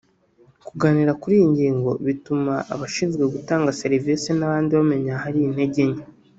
kuganira kuri iyi ngingo bituma abashinzwe gutanga serivisi n’abandi bamenya ahari intege nke